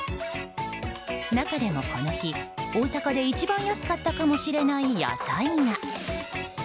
中でもこの日、大阪で一番安かったかもしれない野菜が。